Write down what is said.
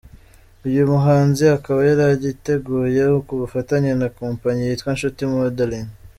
Uyu muhanzi akaba yaragiteguye ku bufatanye na kompanyi yitwa Nshuti modeling.